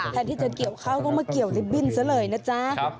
แทนที่จะเกี่ยวเขาก็มาเกี่ยวลิฟบิ้นซะเลยนะจ๊ะ